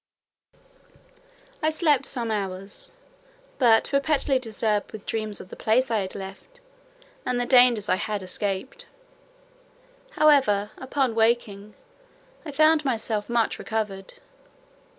I slept some hours, but perpetually disturbed with dreams of the place I had left, and the dangers I had escaped. However, upon waking, I found myself much recovered.